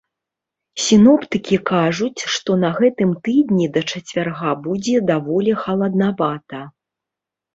Сіноптыкі кажуць, што на гэтым тыдні да чацвярга будзе даволі халаднавата.